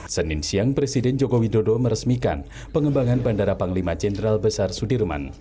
senin siang presiden joko widodo meresmikan pengembangan bandara panglima jenderal besar sudirman